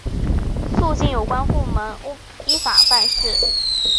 促进有关部门依法办事